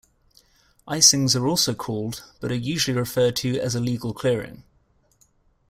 Icings are also called, but are usually referred to as illegal clearing.